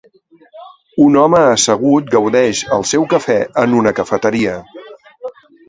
Un home assegut gaudeix el seu cafè en una cafeteria.